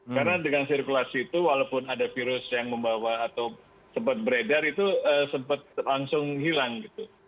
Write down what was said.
karena dengan sirkulasi itu walaupun ada virus yang membawa atau sempat beredar itu sempat langsung hilang gitu